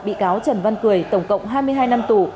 bị cáo trần văn cười tổng cộng hai mươi hai năm tù